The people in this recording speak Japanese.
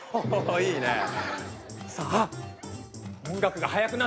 おいいね。